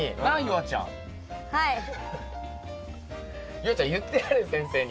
夕空ちゃん言ってやれ先生に。